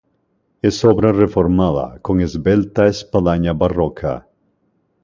Es obra reformada, con esbelta espadaña barroca.